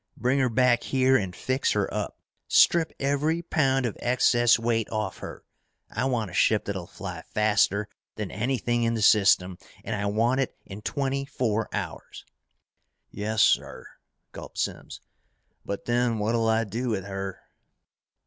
Bring her back here and fix her up. Strip every pound of excess weight off her. I want a ship that'll fly faster than anything in the system and I want it in twenty four hours." "Yes, sir," gulped Simms. "But then what'll I do with her?"